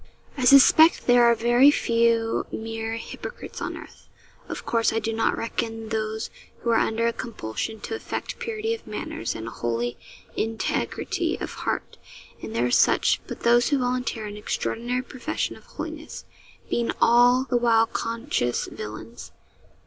I suspect there are very few mere hypocrites on earth. Of course, I do not reckon those who are under compulsion to affect purity of manners and a holy integrity of heart and there are such but those who volunteer an extraordinary profession of holiness, being all the while conscious villains.